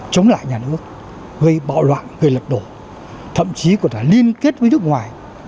chống lại nhà nước gây bạo loạn gây lật đổ thậm chí còn là liên kết với nước ngoài